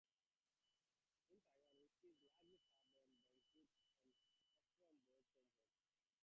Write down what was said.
In Taiwan whisky is largely served at banquets and is often brought from home.